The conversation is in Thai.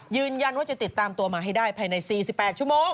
ยืนยันว่าจะติดตามตัวมาให้ได้ภายใน๔๘ชั่วโมง